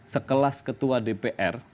sekelas ketua dpr